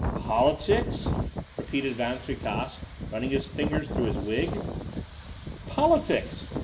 "Politics!" repeated Van Tricasse, running his fingers through his wig. "Politics!"